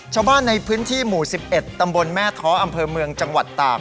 ชาวบ้านในพื้นที่หมู่๑๑ตำบลแม่ท้ออำเภอเมืองจังหวัดตาก